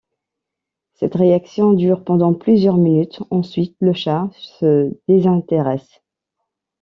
Cette réaction dure pendant plusieurs minutes, ensuite le chat se désintéresse.